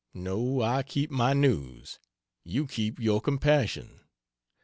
No, I keep my news; you keep your compassion.